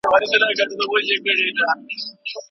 اقتصادي بنسټونه له سیاسي ثبات پرته نه سي کولای سمه وده وکړي.